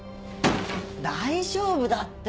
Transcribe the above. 大丈夫だって。